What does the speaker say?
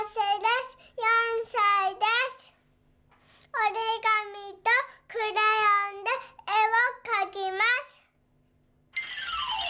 おりがみとクレヨンでえをかきます。